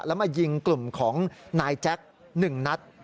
แล้วมายิงกลุ่มของนายแจ็ค๑นัด